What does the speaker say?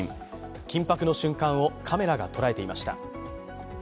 緊迫の瞬間をカメラが捉えていました。